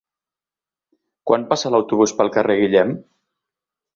Quan passa l'autobús pel carrer Guillem?